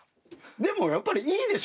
でもやっぱりいいでしょ。